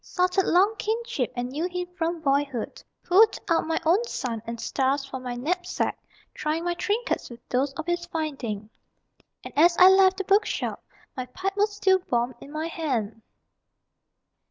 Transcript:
Salted long kinship and knew him from boy hood Pulled out my own sun and stars from my knapsack, Trying my trinkets with those of his finding And as I left the bookshop _My pipe was still warm in my hand.